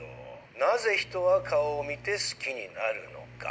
なぜ人は顔を見て好きになるのか。